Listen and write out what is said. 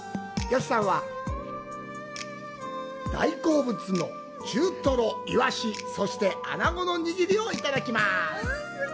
吉さんは、大好物の中トロとイワシ、そしてアナゴの握りをいただきます。